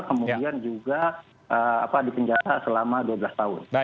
kemudian juga dipenjara selama dua belas tahun